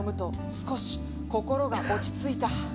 「少し心が落ち着いた」